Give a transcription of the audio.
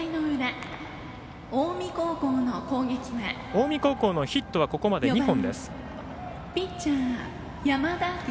近江高校のヒットはここまで２本。